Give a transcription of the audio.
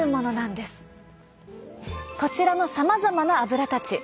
こちらのさまざまなアブラたち。